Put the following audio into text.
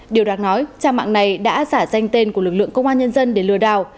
điều đáng nói trang mạng này đã giả danh tên của lực lượng công an nhân dân để lừa đảo